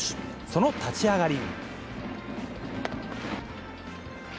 その立ち上がり。